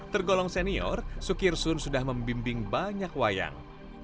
tergolong senior sukirsun sudah membimbing banyak wayang